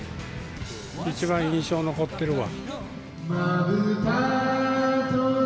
一番印象、残ってるわ。